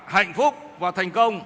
hạnh phúc và thành công